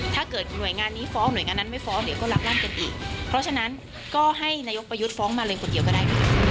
หน่วยงานนี้ฟ้องหน่วยงานนั้นไม่ฟ้องเดี๋ยวก็รับร่ำกันอีกเพราะฉะนั้นก็ให้นายกประยุทธ์ฟ้องมาเร็งคนเดียวก็ได้ค่ะ